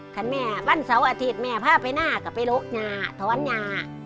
คันแม่บ้านเสาร์อาทิตย์แม่พาไปหน้าก็ไปโละยาถอนยา